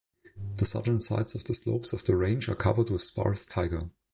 The southern sides of the slopes of the range are covered with sparse taiga.